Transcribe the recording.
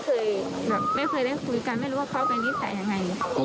คือพี่เขาทำไปแล้วพ่ออะไรทำไปถึงทำ